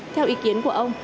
theo ý kiến của ông